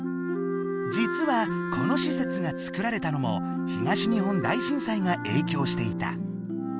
実はこの施設が作られたのも東日本大震災がえいきょうしていた。